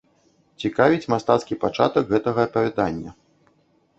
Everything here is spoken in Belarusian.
Цікавіць мастацкі пачатак гэтага апавядання.